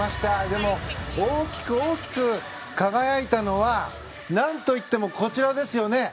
でも、大きく大きく輝いたのはなんといってもこちらですよね。